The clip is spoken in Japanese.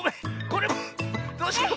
これもどうしよう。